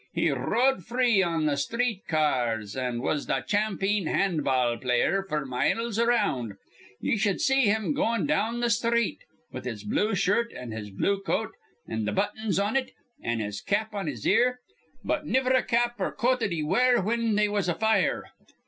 He r rode free on th' sthreet ca ars, an' was th' champeen hand ball player f'r miles around. Ye shud see him goin' down th' sthreet, with his blue shirt an' his blue coat with th' buttons on it, an' his cap on his ear. But ne'er a cap or coat'd he wear whin they was a fire.